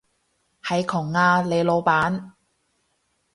係窮啊，你老闆